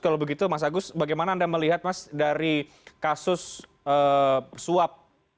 kalau begitu mas agus bagaimana anda melihat mas dari kasus suap